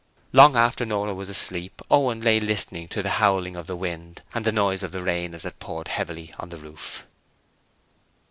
Long after Nora was asleep, Owen lay listening to the howling of the wind and the noise of the rain as it poured heavily on the roof...